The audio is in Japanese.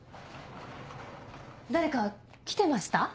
誰か来てました？